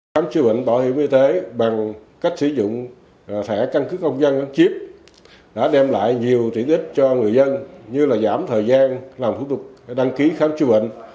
khám chữa bệnh bảo hiểm y tế bằng cách sử dụng thẻ căn cước công dân chiếc đã đem lại nhiều tiện ích cho người dân như là giảm thời gian làm phục vụ đăng ký khám chữa bệnh